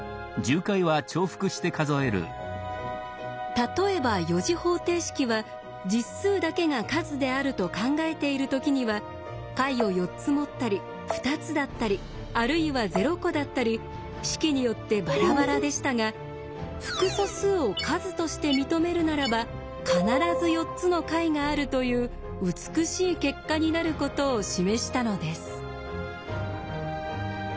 例えば４次方程式は実数だけが数であると考えている時には解を４つ持ったり２つだったりあるいは０個だったり式によってバラバラでしたが複素数を数として認めるならば必ず４つの解があるという美しい結果になることを示したのです。